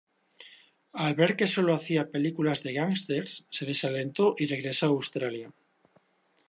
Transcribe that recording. Al ver que sólo hacía películas de gángsters, se desalentó y regresó a Australia.